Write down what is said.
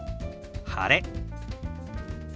「晴れ」。